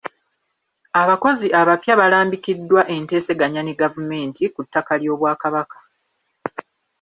Abakozi abapya balambikiddwa enteeseganya ne gavumenti ku ttaka ly’Obwakabaka.